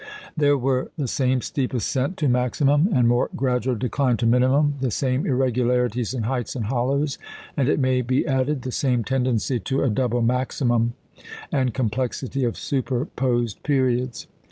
There were the same steep ascent to maximum and more gradual decline to minimum, the same irregularities in heights and hollows, and, it may be added, the same tendency to a double maximum, and complexity of superposed periods.